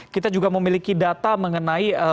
kita juga memiliki data mengenai hasil penyakit